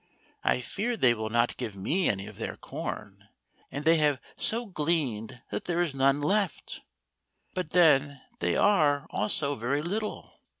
"I fear they will not give me any of their corn ; and they have so gleaned that there is none left ; but then they are also very little.